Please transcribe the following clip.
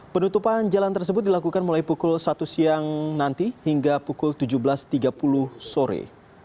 penutupan jalan tersebut dilakukan mulai pukul satu siang nanti hingga pukul tujuh belas tiga puluh sore